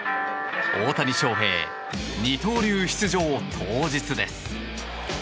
大谷翔平、二刀流出場当日です。